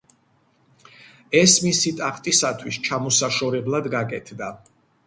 ეს მისი ტახტისათვის ჩამოსაშორებლად გაკეთდა.